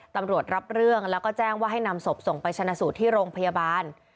ตำรวจรับเรื่องแล้วก็แจ้งว่าให้นำศพส่งไปชนะสูตรที่โรงพยาบาล